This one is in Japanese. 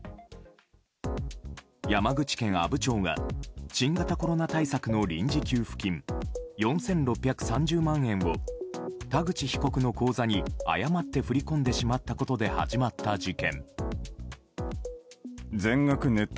山口県阿武町が新型コロナ対策の臨時給付金４６３０万円を田口被告の口座に誤って振り込んでしまったことで始まった事件。